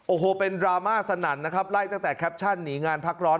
โอ้โหเป็นดราม่าสนั่นนะครับไล่ตั้งแต่แคปชั่นหนีงานพักร้อน